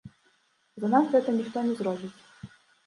За нас гэта ніхто не зробіць.